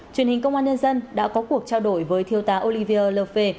truyền hình công an nhân dân đã có cuộc trao đổi với thiêu tá olivier lefe